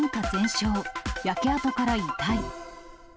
焼け跡から遺体。